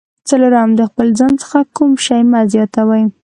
څلورم: د خپل ځان څخه کوم شی مه زیاتوئ.